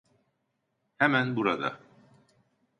Hemen burada.